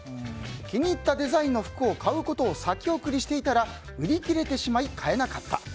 気に入ったデザインの服を買うことを先送りしていたら売り切れてしまい、買えなかった。